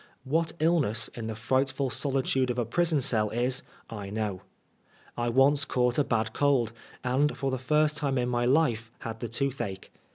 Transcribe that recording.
What illness in the frightful solitude of a prison cell is I know. I once caught a bad cold, and for the first time in my life had the toothache.